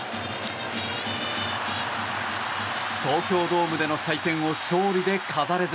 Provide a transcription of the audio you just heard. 東京ドームでの祭典を勝利で飾れず。